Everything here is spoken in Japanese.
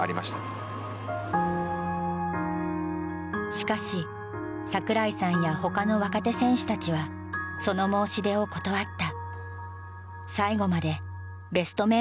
しかし桜井さんやほかの若手選手たちはその申し出を断った。